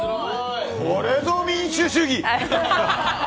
これぞ民主主義！